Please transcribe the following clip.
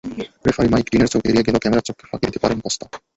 Referee Mike ডিনের চোখ এড়িয়ে গেলেও ক্যামেরার চোখকে ফাঁকি দিতে পারেননি কস্তা।